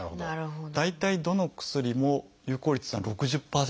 大体どの薬も有効率っていうのは６０％ぐらい。